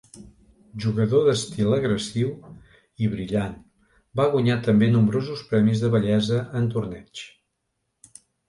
Jugador d'estil agressiu i brillant, va guanyar també nombrosos premis de bellesa en torneigs.